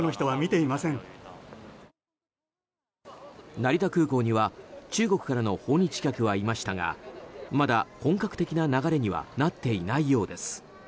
成田空港には中国からの訪日客はいましたがまだ本格的な流れにはなっていないようです。